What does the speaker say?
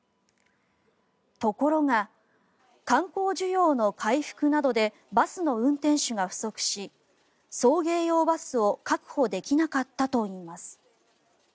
ところが、観光需要の回復などでバスの運転手が不足し送迎用バスを確保できなかったといいます。